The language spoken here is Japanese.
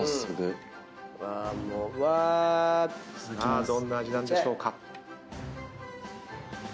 さあどんな味なんでしょうか？